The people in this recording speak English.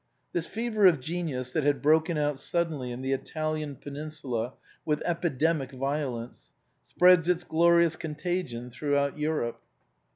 This fever of genius that had broken out suddenly in the Italian peninsula with epidemic violence spreads its glorious contagion throughout Europe.